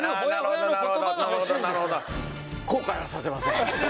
後悔はさせません。